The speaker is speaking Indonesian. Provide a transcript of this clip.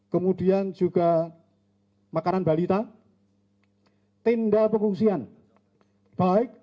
kemudian juga makanan balita tindal pengungsian baik tindal pengungsian yang bersama sama di lapangan